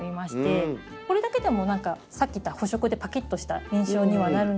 これだけでも何かさっき言った補色でパキッとした印象にはなるんですけど。